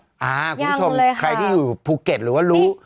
ยังเลยค่ะคุณผู้ชมใครที่อยู่ภูเก็ตหรือว่ารู้